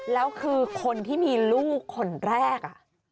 แล้วคือคนที่มีลูกคนแรก